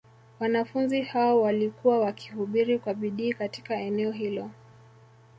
Wanafunzi hao walikuwa wakihubiri kwa bidii katika eneo hilo